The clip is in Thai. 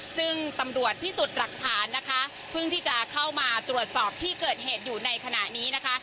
ซึ่งตำรวจพิสูจน์หลักฐานนะคะเพิ่งที่จะเข้ามาตรวจสอบที่เกิดเหตุอยู่ในขณะนี้นะคะ